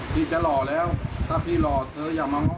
พี่จะหล่อแล้วถ้าพี่หล่อเธออย่ามาง้อ